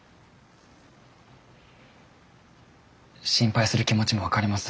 心配する気持ちも分かります。